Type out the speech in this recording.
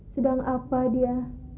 sedang apa dia